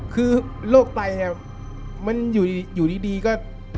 คือโรคไตมันอยู่ดีก็